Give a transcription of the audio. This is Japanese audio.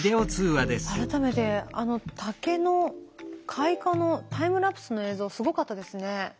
改めてあの竹の開花のタイムラプスの映像すごかったですね。